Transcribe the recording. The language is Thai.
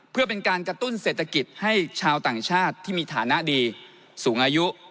เพื่อเป็นการกระตุ้นเศรษฐกิจให้ชาวต่างชาติที่มีฐานะดีสูงอายุ